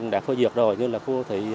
đã phơi dược rồi như là khu đô thị